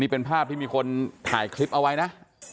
เป็นภาพที่มีคนถ่ายคลิปเอาไว้นะ